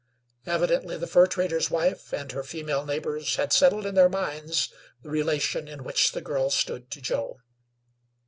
Evidently the fur trader's wife and her female neighbors had settled in their minds the relation in which the girl stood to Joe.